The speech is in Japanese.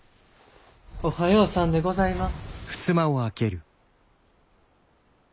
おはようさんでございます。